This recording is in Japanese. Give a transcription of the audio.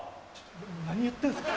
何言ってんすか。